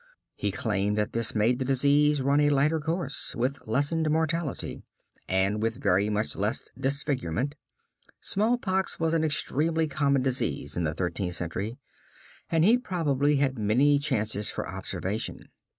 He claimed that this made the disease run a lighter course, with lessened mortality, and with very much less disfigurement. Smallpox was an extremely common disease in the Thirteenth Century, and he probably had many chances for observation.